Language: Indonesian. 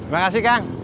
terima kasih kang